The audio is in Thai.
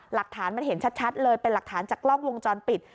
หลักฐานมันเห็นชัดเลยเป็นหลักฐานจากกล้องวงจรปิด